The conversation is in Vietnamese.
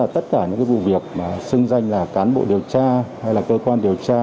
tất cả những vụ việc mà xưng danh là cán bộ điều tra hay là cơ quan điều tra